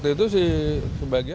waktu itu si